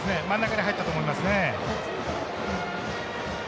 真ん中に入ったと思いますね。